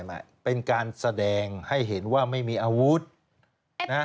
มาเป็นการแสดงให้เห็นว่าไม่มีอาวุธนะฮะ